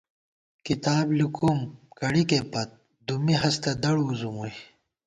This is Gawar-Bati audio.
کِتاب لِکوُم کڑِکےپت دُمّی ہستہ دڑ وُزُمُوئی